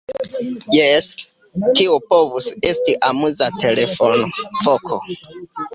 Jes, tio povus esti amuza telefonvoko!